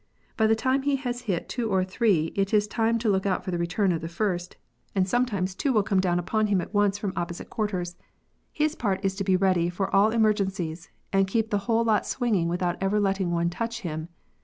By the time he has hit two or three it is time to look out for the return of the first, and sometimes two will come down on him at once POSTAL SERVICE. 63 from opposite quarters ; his part is to be ready for all emergencies, and keep the whole lot swinging without ever letting one touch him.